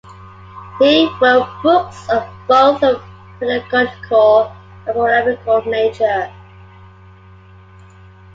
He wrote books of both a pedagogical and polemical nature.